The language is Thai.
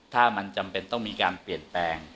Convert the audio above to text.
ถ้ามันจำเป็นต้องมีการเปลี่ยนแปลง